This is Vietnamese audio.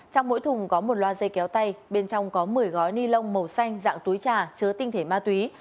trong mỗi thùng có một loa dây kéo tay bên trong có một mươi gói ni lông màu xanh dạng túi trà chứa tinh thể ma túy